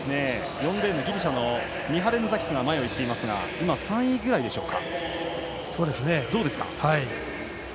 ４レーンのギリシャのミハレンザキスが前を行きますが今、３位ぐらいでしょうか。